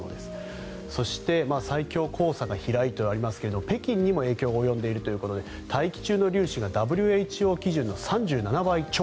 そして最強黄砂が飛来とありますが北京にも影響が及んでいるということで大気中の粒子がＷＨＯ基準の３７倍超。